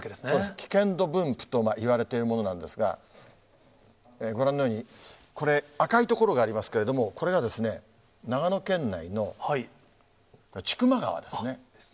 危険度分布といわれているものなんですが、ご覧のように、これ、赤い所がありますけれども、これが長野県内の千曲川ですね。